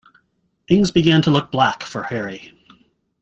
Things began to look black for Harry.